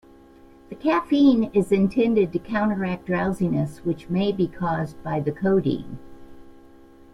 The caffeine is intended to counteract drowsiness which may be caused by the codeine.